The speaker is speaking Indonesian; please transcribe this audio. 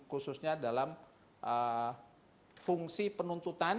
khususnya dalam fungsi penuntutannya